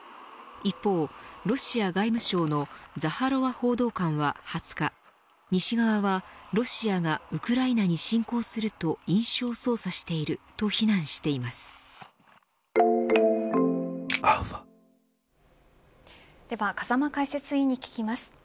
一方、ロシア外務省のザハロワ報道官は２０日西側はロシアがウクライナに侵攻すると印象操作していると非難しています。